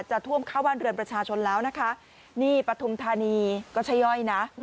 ท่วมเข้าบ้านเรือนประชาชนแล้วนะคะนี่ปฐุมธานีก็ชะย่อยนะ